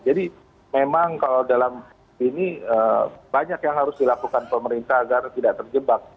jadi memang kalau dalam ini banyak yang harus dilakukan pemerintah agar tidak terjebak